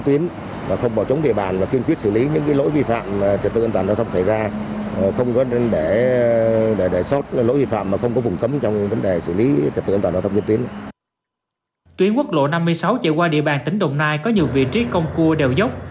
tuyến quốc lộ năm mươi sáu chạy qua địa bàn tỉnh đồng nai có nhiều vị trí cong cua đèo dốc